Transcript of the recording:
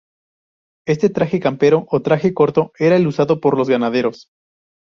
Este traje campero o traje corto era el usado por los ganaderos.